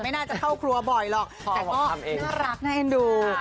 ไม่น่าเข้าครัวอีกก็ได้แต่ก็น่ารักในเห็นดู